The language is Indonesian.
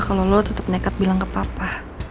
kalau lo tetap nekat bilang ke papa